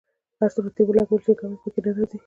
هر څومره ترې ولګول شي کمی په کې نه راځي.